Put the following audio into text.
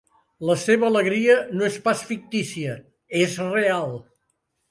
La seva alegria no és pas fictícia: és real.